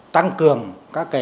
tăng cường các cái